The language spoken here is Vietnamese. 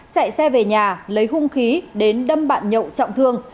chạy xe về nhà lấy hung khí đến đâm bạn nhậu trọng thương